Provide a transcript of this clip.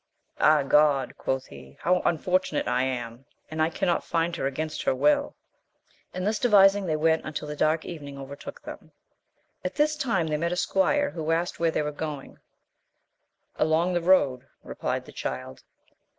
Ah God ! quoth he, how unfortunate I am ! and I cannot find her against her will ! And thus devising they went until the dark evening overtook them. At this time they met a squire, who asked where they were going, AJong the road, replied the Child.